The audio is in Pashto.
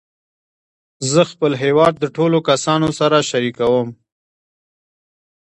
زه خپل هېواد د ټولو کسانو سره شریکوم.